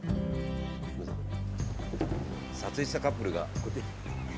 撮影してたカップルが。